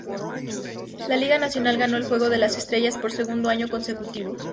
La Liga Nacional ganó el Juego de las Estrellas por segundo año consecutivo.